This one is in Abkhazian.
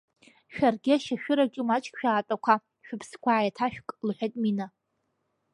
Шәаргьы ашьашәыр аҿы маҷк шәаатәақәа, шәыԥсқәа ааиҭашәкы, — лҳәеит, Мина.